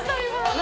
何？